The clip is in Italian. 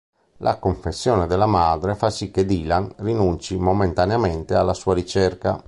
La confessione della madre fa sì che Dylan rinunci momentaneamente alla sua ricerca.